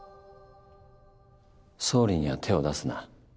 総理には手を出すな。